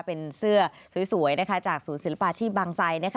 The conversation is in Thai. เป็นเสื้อสวยนะคะจากสูตรศิลปะที่บางไซค์นะคะ